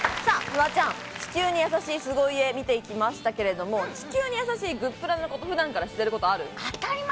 フワちゃん、地球にやさしい凄家、見ていきましたけれども、地球にやさしいグップラなこと、何か普段からしてることある？